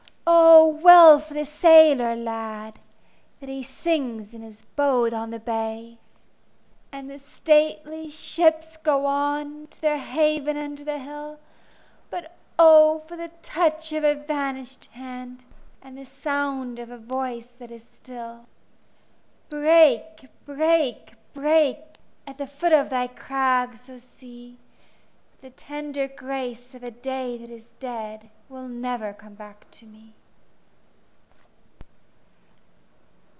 O well for the sailor lad, That he sings in his boat on the bay! And the stately ships go on To their haven under the hill; But O for the touch of a vanish'd hand, And the sound of a voice that is still! Break, break, break, At the foot of thy crags, O Sea! But the tender grace of a day that is dead Will never come back to me.